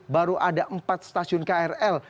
baru ada empat stasiun krl